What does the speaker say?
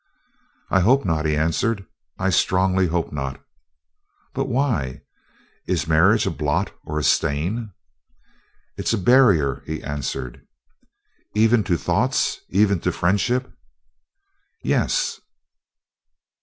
"I hope not," he answered. "I strongly hope not." "But why? Is a marriage a blot or a stain?" "It is a barrier," he answered. "Even to thoughts? Even to friendship?" "Yes."